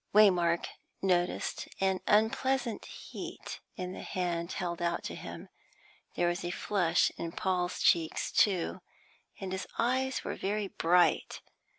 Waymark noticed an unpleasant heat in the hand held out to him; there was a flush in Paul's cheeks, too, and his eyes were very bright.